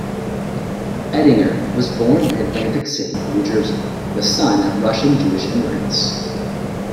Ettinger was born in Atlantic City, New Jersey, the son of Russian Jewish immigrants.